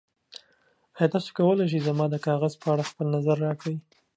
ایا تاسو کولی شئ زما د کاغذ په اړه خپل نظر راکړئ؟